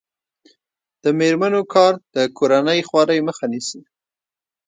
د میرمنو کار د کورنۍ خوارۍ مخه نیسي.